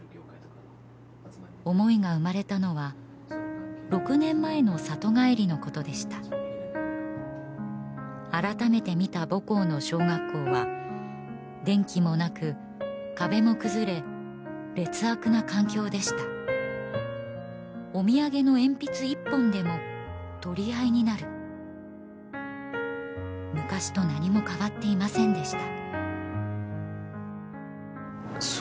思いが生まれたのは６年前の里帰りのことでした改めて見た母校の小学校は電気もなく壁も崩れ劣悪な環境でしたお土産の鉛筆１本でも取り合いになる昔と何も変わっていませんでした